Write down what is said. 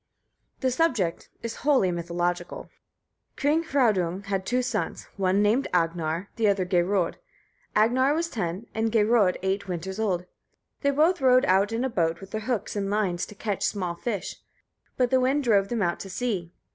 The subject is wholly mythological. King Hraudung had two sons, one named Agnar, the other Geirröd. Agnar was ten, and Geirröd eight winters old. They both rowed out in a boat, with their hooks and lines, to catch small fish; but the wind drove them out to sea.